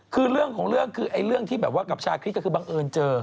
คือเรื่องของเรื่องคือไอ้เรื่องที่แบบว่ากับชาคริสก็คือบังเอิญเจอ